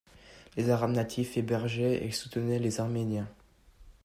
Les Arabes natifs hébergeaient et soutenaient les Arméniens.